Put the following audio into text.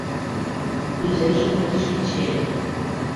— Кузежым мый шинчем.